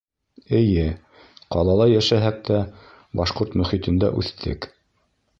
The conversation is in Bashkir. — Эйе, ҡалала йәшәһәк тә, башҡорт мөхитендә үҫтек.